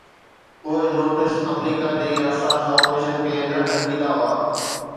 اهي نوٽس آمريڪا جي حساس آپريشنن کي نه ڍڪيندا هئا